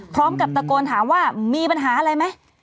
พร้อมกับตะโกนถามว่ามีปัญหาอะไรไหม